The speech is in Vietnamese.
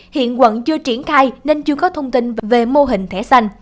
hiện quận chưa triển khai nên chưa có thông tin về mô hình thẻ xanh